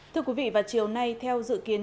thưa quý vị vào chiều nay theo dự kiến